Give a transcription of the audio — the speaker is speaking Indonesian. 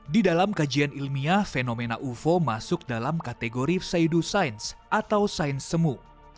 di dalam kajian ilmiah fenomena ufo masuk dalam kategori saidu science atau sains semu